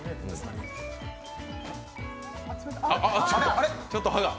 あれ、ちょっと歯が。！